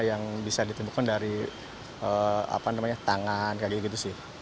yang bisa ditemukan dari tangan kayak gitu sih